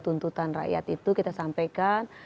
tuntutan rakyat itu kita sampaikan